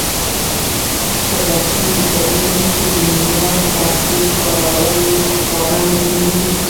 په درسي کتابونو کې د معیاري پښتو کارول خورا مهم دي.